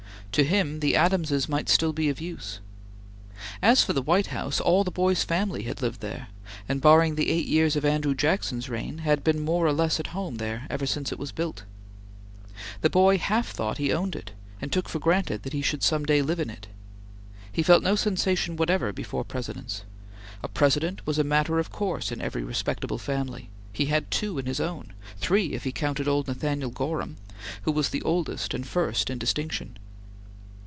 To him, the Adamses might still be of use. As for the White House, all the boy's family had lived there, and, barring the eight years of Andrew Jackson's reign, had been more or less at home there ever since it was built. The boy half thought he owned it, and took for granted that he should some day live in it. He felt no sensation whatever before Presidents. A President was a matter of course in every respectable family; he had two in his own; three, if he counted old Nathaniel Gorham, who, was the oldest and first in distinction.